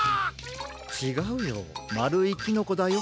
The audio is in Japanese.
ちがうよまるいキノコだよ。